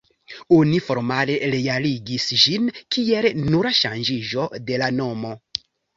Oni formale realigis ĝin kiel nura ŝanĝiĝo de la nomo.